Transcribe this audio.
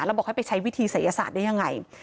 แล้วบอกให้ไปใช้วิธีศัยศาสตร์ได้ยังไง